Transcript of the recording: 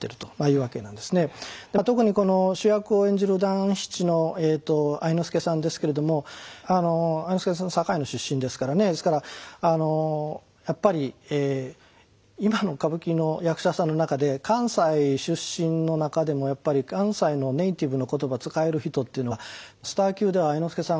特にこの主役を演じる団七の愛之助さんですけれども愛之助さん堺の出身ですからねですからやっぱり今の歌舞伎の役者さんの中で関西出身の中でもやっぱり関西のネイティブの言葉使える人っていうのはスター級では愛之助さん